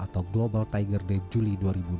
atau global tiger day juli dua ribu dua puluh